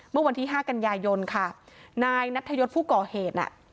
เมื่อวันที่ห้ากันยายนค่ะนายนัทยศผู้ก่อเหตุน่ะ